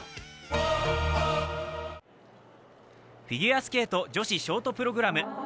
フィギュアスケート女子ショートプログラム。